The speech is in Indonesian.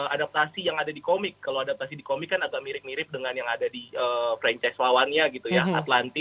adaptasi yang ada di komik kalau adaptasi di komik kan agak mirip mirip dengan yang ada di franchise lawannya gitu ya atlanti